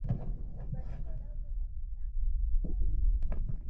قابلي پلو د افغانستان مشهور خواړه دي.